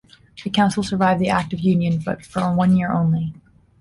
The council survived the Act of Union but for one year only.